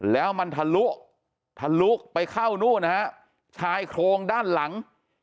แล้วมันทะลุทะลุไปเข้านู่นนะฮะชายโครงด้านหลัง